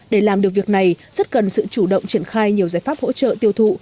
để làm được việc này rất cần sự chủ động triển khai nhiều giải pháp hỗ trợ tiêu thụ